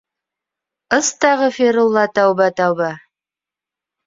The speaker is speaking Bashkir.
Ыс- тағифирулла тәүбә-тәүбә